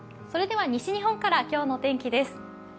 それでは西日本から今日の天気です。